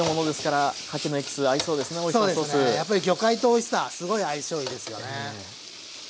やっぱり魚介とオイスターすごい相性いいですよね。